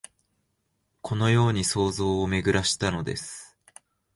このように想像をめぐらしたのです